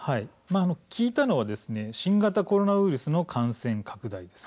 効いたのは新型コロナウイルスの感染拡大です。